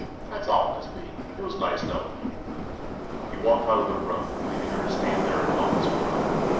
That's all, Miss B.; it was nice knowing you." He walked out of the room, leaving her to stand there in helpless fury.